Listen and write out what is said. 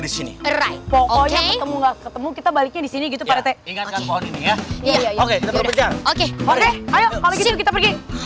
di sini pokoknya ketemu gak ketemu